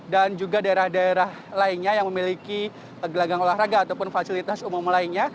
dan juga daerah daerah lainnya yang memiliki gelanggang olahraga ataupun fasilitas umum lainnya